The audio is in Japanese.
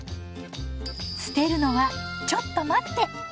捨てるのはちょっと待って！